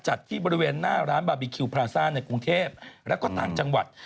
ที่บริเวณหน้าร้านบาร์บีคิวพราซ่าในกรุงเทพแล้วก็ต่างจังหวัด